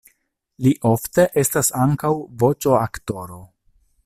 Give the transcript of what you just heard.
Li ofte estas ankaŭ voĉoaktoro.